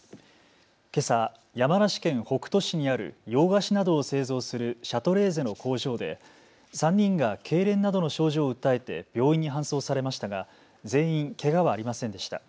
けさ、山梨県北杜市にある洋菓子などを製造するシャトレーゼの工場で３人がけいれんなどの症状を訴えて病院に搬送されましたが全員けがはありませんでした。